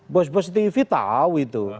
bos bos tv tahu itu